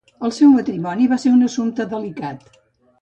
El seu matrimoni va ser un assumpte delicat.